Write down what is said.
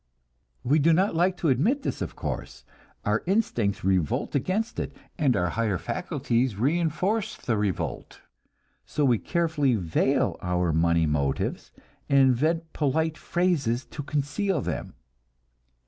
We do not like to admit this, of course; our instincts revolt against it, and our higher faculties reinforce the revolt, so we carefully veil our money motives, and invent polite phrases to conceal them.